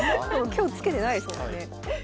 今日つけてないですもんね。